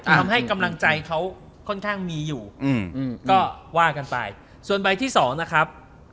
ทำให้กำลังใจเขาค่อนข้างมีอยู่อืมก็ว่ากันไปส่วนใบที่สองนะครับ